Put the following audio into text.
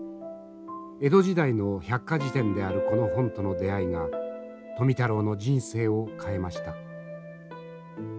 江戸時代の百科事典であるこの本との出会いが富太郎の人生を変えました。